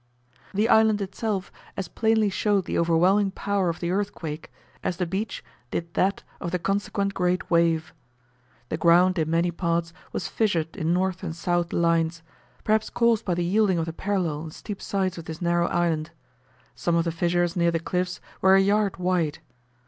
The island itself as plainly showed the overwhelming power of the earthquake, as the beach did that of the consequent great wave. The ground in many parts was fissured in north and south lines, perhaps caused by the yielding of the parallel and steep sides of this narrow island. Some of the fissures near the cliffs were a yard wide.